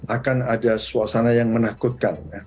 akan ada suasana yang menakutkan